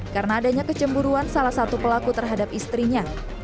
karena adanya kecemburuan salah satu pelaku terhadap istrinya